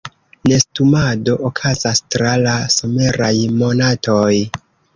Nestumado okazas tra la someraj monatoj.